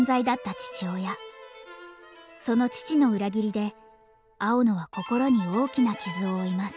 その父の裏切りで青野は心に大きな傷を負います。